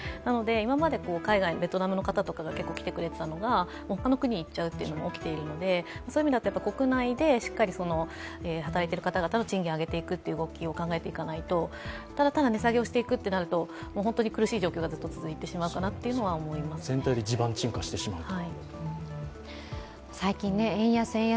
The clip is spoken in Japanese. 今まで海外、ベトナムの方などが結構来てくれていたのが、他の国に行っちゃうというのも起きているのでそういう意味では国内でしっかり働いている方々の賃金を上げていくことを考えていかないと、ただただ値下げをしていくとなると本当に苦しい状況がずっと続いてしまうのかなとは全体で地盤沈下をしてしまうと。